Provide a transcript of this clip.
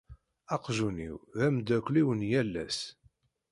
Aqjun-iw d ameddakel-iw n yal ass.